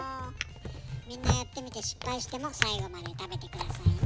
みんなやってみて失敗しても最後まで食べて下さいね。